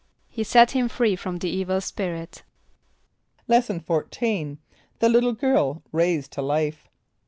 =He set him free from the evil spirit.= Lesson XIV. The Little Girl Raised to Life.